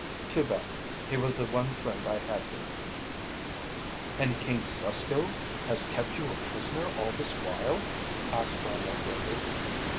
"Too bad he was the one friend I had here." "And King Susko has kept you a prisoner all this while?" asked Randolph Rover.